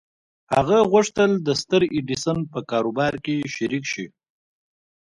هغه غوښتل د ستر ايډېسن په کاروبار کې شريک شي.